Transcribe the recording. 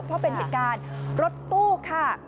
เพราะเป็นเหตุการณ์รถตู้ค่ะ